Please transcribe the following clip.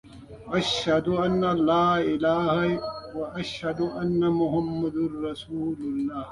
اشهد ان لا اله الا الله و اشهد ان محمد رسول الله.